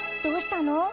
どうしたの？